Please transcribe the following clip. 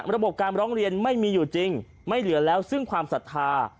ระบบการร้องเรียนไม่มีอยู่จริงไม่เหลือแล้วซึ่งความศรัทธา